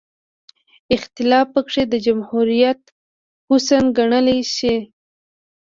اختلاف پکې د جمهوریت حسن ګڼلی شي.